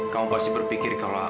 kamu pasti berpikir